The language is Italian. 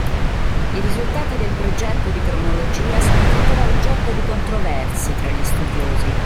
I risultati del progetto di cronologia sono tuttora oggetto di controversie tra gli studiosi.